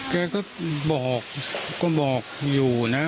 แกก็บอกก็บอกอยู่นะ